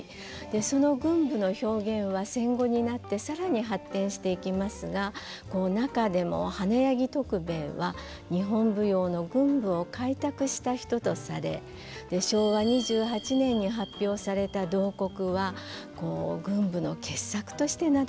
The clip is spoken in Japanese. その群舞の表現は戦後になって更に発展していきますが中でも花柳徳兵衛は日本舞踊の群舞を開拓した人とされ昭和２８年に発表された「慟哭」は群舞の傑作として名高いものなんですね。